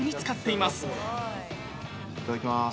いただきます。